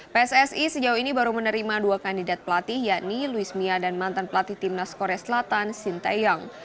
pssi sejauh ini baru menerima dua kandidat pelatih yakni luis mia dan mantan pelatih timnas korea selatan shin tae yong